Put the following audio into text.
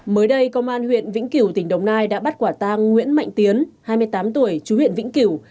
mới đây công an huyện vĩnh kiểu tỉnh đồng nai đã bắt quả tang nguyễn mạnh tiến hai mươi tám tuổi chú huyện vĩnh cửu